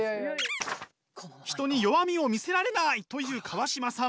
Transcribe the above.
人に弱みを見せられない！という川島さん。